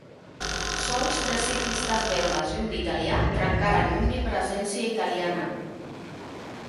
Sols tres ciclistes belgues i un d'italià trencaren l'omnipresència italiana.